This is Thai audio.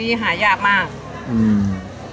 นี่หายากมากอืม